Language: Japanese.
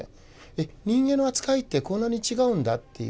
えっ人間の扱いってこんなに違うんだっていう。